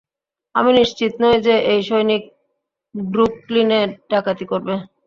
আমি নিশ্চিত নই যে এই সৈনিক ব্রুকলিনে ডাকাতি করবে।